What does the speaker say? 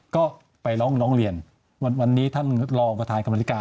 ก็ไปร้องเรียนวันนี้ท่านรองประธานกรรมธิการ